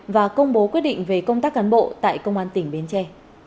và công bố quyết định về công tác cán bộ tại công an tỉnh bến tre